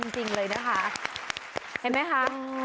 จริงเลยนะคะเห็นไหมคะ